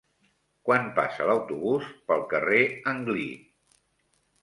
Quan passa l'autobús pel carrer Anglí?